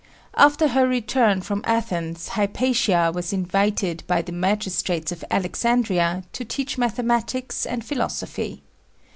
After her return from Athens, Hypatia was invited by the magistrates of Alexandria to teach mathematics and philosophy.